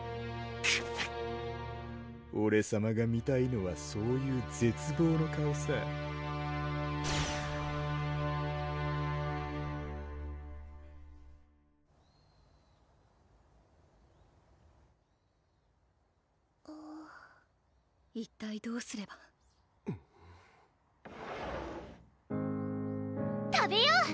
クッオレさまが見たいのはそういう絶望の顔さ一体どうすれば食べよう！